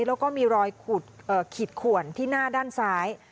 แล้วก็มีรอยขีดขวนที่หน้าด้านซ้าย